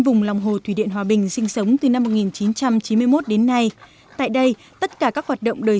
vùng lòng hồ thủy điện hòa bình sinh sống từ năm một nghìn chín trăm chín mươi một đến nay tại đây tất cả các hoạt động đời